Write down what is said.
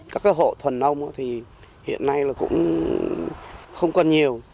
các hộ thuần nông hiện nay cũng không còn nhiều